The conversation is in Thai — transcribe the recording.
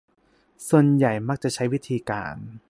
ส่วนใหญ่มักจะใช้วิธีการ